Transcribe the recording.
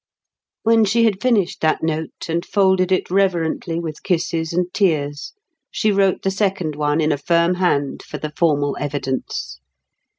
When she had finished that note, and folded it reverently with kisses and tears, she wrote the second one in a firm hand for the formal evidence.